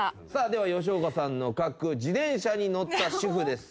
では吉岡さんの描く自転車に乗った主婦です。